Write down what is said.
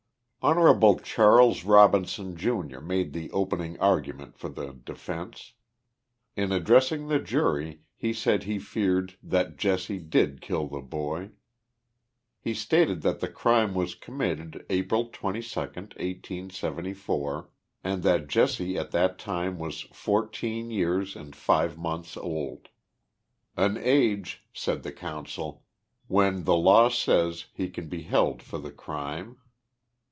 Hon. Charles Robinson, Jr., made the opening argument for the defence. In addressing the jury he said he feared " that Jesse did kill the boy." He stated that the crime was committed April 22, 1874, and that Jesse at that time was fourteen years and live months old. " An age," said the counsel, " when, the law says, he can be held for the crime.